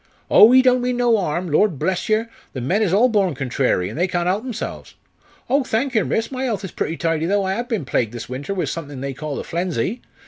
Oh! he don't mean no harm! lor' bless yer, the men is all born contrary, and they can't help themselves. Oh! thank yer, miss, my 'ealth is pretty tidy, though I 'ave been plagued this winter with a something they call the 'flenzy.